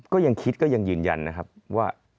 ก็ยังคิดก็ยังยืนยันนะครับว่า